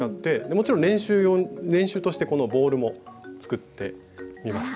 もちろん練習としてこのボールも作ってみました。